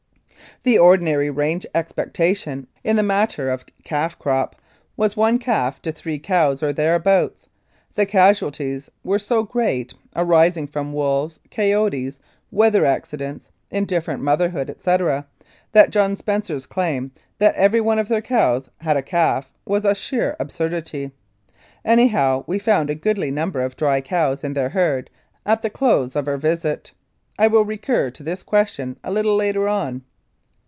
The ordinary range expectation in the matter of calf crop was one calf to three cows or thereabouts the casualties were so great, arising from wolves, coyotes, weather accidents, indifferent motherhood, etc., that John Spencer's claim, that every one of their cows had a calf, was a sheer absurdity. Anyhow, we found a goodly number of dry cows in their herd at the close of our visit. I will recur to this question a little later on.